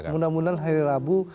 mudah mudahan hari rabu